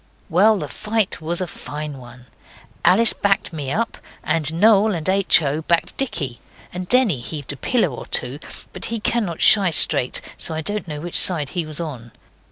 Well, the fight was a very fine one. Alice backed me up, and Noel and H. O. backed Dicky, and Denny heaved a pillow or two; but he cannot shy straight, so I don't know which side he was on.